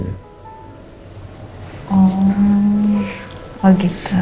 oh oh gitu